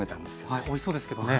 はいおいしそうですけどね。